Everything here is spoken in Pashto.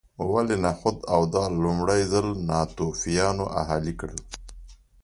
ولې نخود او دال لومړي ځل ناتوفیانو اهلي کړل